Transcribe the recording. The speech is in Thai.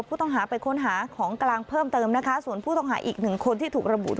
ผู้ต้องหาไปค้นหาของกลางเพิ่มเติมนะคะส่วนผู้ต้องหาอีกหนึ่งคนที่ถูกระบุ